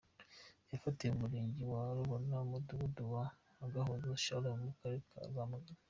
Yafatiwe mu Murenge wa Rubona mu Mudugudu wa Agahozo Shalom mu Karere ka Rwamagana.